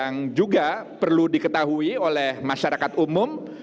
yang juga perlu diketahui oleh masyarakat umum